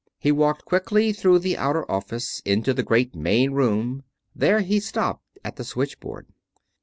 He walked quickly through the outer office, into the great main room. There he stopped at the switchboard.